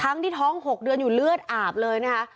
ทั้งที่ท้อง๖เดือนอยู่เลือดอาบเลยนะคะ